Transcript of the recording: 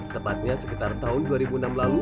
tepatnya sekitar tahun dua ribu enam lalu